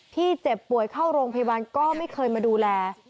เจ็บป่วยเข้าโรงพยาบาลก็ไม่เคยมาดูแล